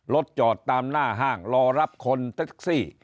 รถจอดตามหน้าห้างรอรับคนแท็กซี่